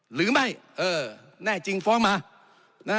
หรือไม่แน่จริงฟ้องมา